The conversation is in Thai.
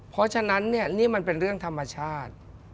เพราะฉะนั้นเนี่ยนี่มันเป็นเรื่องธรรมชาติ